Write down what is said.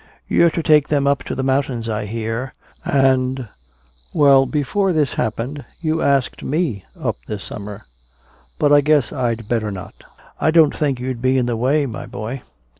You're to take them up to the mountains, I hear and well, before this happened you asked me up this summer. But I guess I'd better not." "I don't think you'd be in the way, my boy."